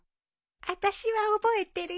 あたしは覚えてるよ。